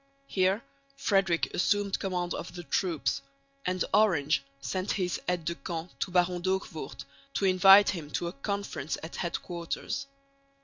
Here Frederick assumed command of the troops; and Orange sent his aide de camp to Baron D'Hoogvoort to invite him to a conference at headquarters.